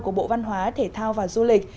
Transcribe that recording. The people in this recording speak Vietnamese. của bộ văn hóa thể thao và du lịch